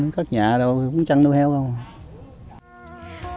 các nhà đâu cũng trăn nuôi heo đâu mà